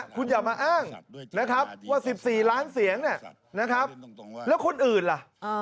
คุณอย่ามาอ้างนะครับว่า๑๔ล้านเสียงเนี่ยนะครับแล้วคนอื่นล่ะ